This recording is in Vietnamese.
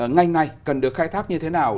ngay ngay cần được khai thác như thế nào